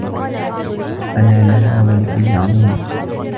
أنا لها ولكل عظيمة